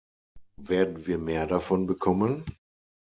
Werden wir mehr davon bekommen?